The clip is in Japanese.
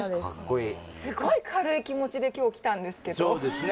すごい軽い気持ちで今日来たんですけどそうですね